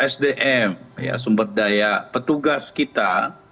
sdm sumber daya petugas kita